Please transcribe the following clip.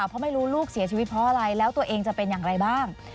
เพราะไม่รู้ลูกเสียชีวิตเพราะอะไรแล้วตัวเองจะเป็นอย่างไรบ้าง